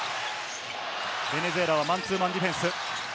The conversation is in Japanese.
ベネズエラはマンツーマンディフェンス。